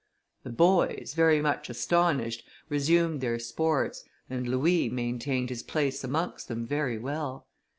The boys, very much astonished, resumed their sports, and Louis maintained his place amongst them very well.